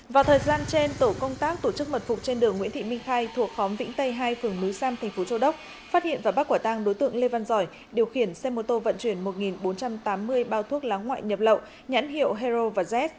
vào thời gian trên tổ công tác tổ chức mật phục trên đường nguyễn thị minh khai thuộc khóm vĩnh tây hai phường núi sam thành phố châu đốc phát hiện và bắt quả tăng đối tượng lê văn giỏi điều khiển xe mô tô vận chuyển một bốn trăm tám mươi bao thuốc lá ngoại nhập lậu nhãn hiệu hero và z